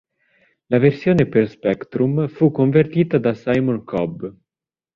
La versione per Spectrum fu convertita da Simon Cobb.